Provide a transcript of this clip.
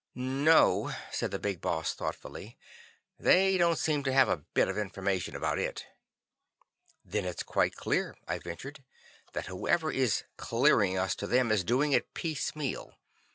"No," said the Big Boss thoughtfully, "they don't seem to have a bit of information about it." "Then it's quite clear," I ventured, "that whoever is 'clearing' us to them is doing it piecemeal.